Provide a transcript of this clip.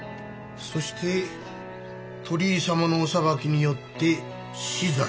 そして鳥居様のお裁きによって死罪。